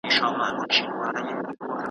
که څېړنه نه وي نو پرمختګ نشته.